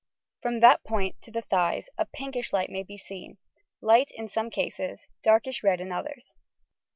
From that point to the thighs a pinkish light may be seen, — light in some cases, darkish red in others.